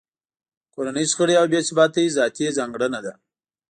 کورنۍ شخړې او بې ثباتۍ ذاتي ځانګړنه ده.